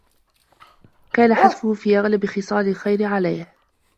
كَانَ حَتْفُهُ فِي أَغْلَبِ خِصَالِ الْخَيْرِ عَلَيْهِ